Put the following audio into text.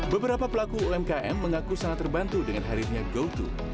beberapa pelaku umkm mengaku sangat terbantu dengan hadirnya goto